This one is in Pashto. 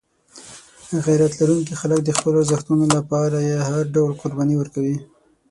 غیرت لرونکي خلک د خپلو ارزښتونو لپاره هر ډول قرباني ورکوي.